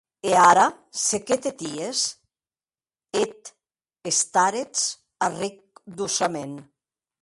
E ara se qué ties?, eth starets arric doçaments.